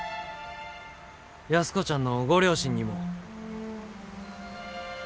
安子ちゃんのご両親にも。